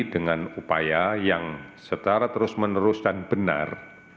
dengan upaya yang secara terus menerus dan benar